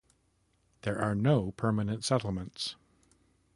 There are no permanent settlements.